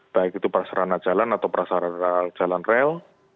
baik itu prasarana jalan atau prasarana jalan rel